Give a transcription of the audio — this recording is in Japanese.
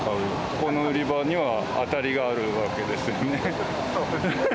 ここの売り場には当たりがあるわけですものね。